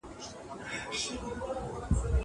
ته ولي ليک لولې؟